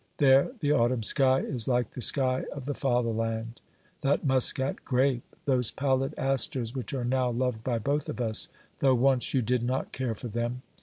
There the autumn sky is like the sky of the fatherland. That muscat grape ! those pallid asters which are now loved by both of us, though once you did not care for them